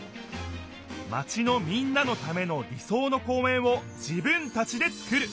マチのみんなのための理そうの公園を自分たちでつくる。